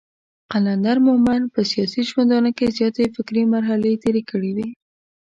قلندر مومند په سياسي ژوندانه کې زياتې فکري مرحلې تېرې کړې وې.